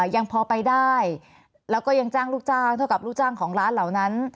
ยังพอไปได้แล้วก็ยังจ้างลูกจ้างเท่ากับลูกจ้างของร้านเหล่านั้น